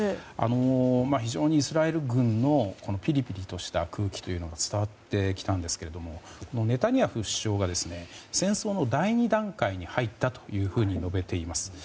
イスラエル軍のピリピリとした空気というのが伝わってきたんですけどもネタニヤフ首相が戦争の第２段階に入ったと述べています。